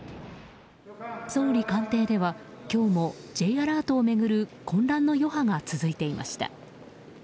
総理官邸では、今日もＪアラートを巡る混乱の余波が続いていました。